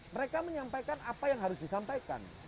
mereka menyampaikan apa yang harus disampaikan